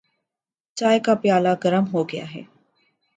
چائے کا پیالہ گرم ہوگیا ہے۔